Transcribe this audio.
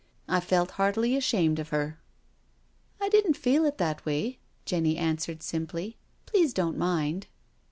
" I felt heartily ashamed of her." " I didn't feel it that way," Jenny answered simply. " Please don't mind."